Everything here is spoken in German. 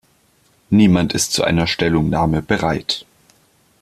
Niemand ist zu einer Stellungnahme bereit.